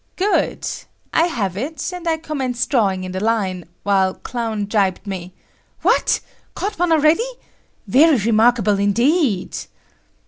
Good! I have it, and I commenced drawing in the line, while Clown jibed me "What? Caught one already? Very remarkable, indeed!"